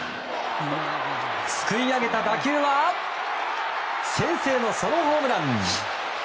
すくい上げた打球は先制のソロホームラン。